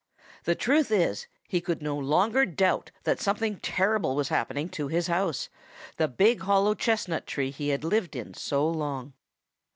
The truth is, he could no longer doubt that something terrible was happening to his house, the big hollow chestnut tree he had lived in so long.